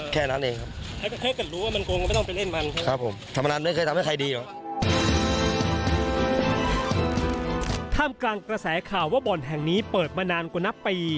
กลางกระแสข่าวว่าบ่อนแห่งนี้เปิดมานานกว่านับปี